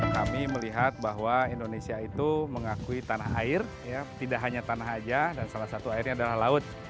kami melihat bahwa indonesia itu mengakui tanah air tidak hanya tanah saja dan salah satu airnya adalah laut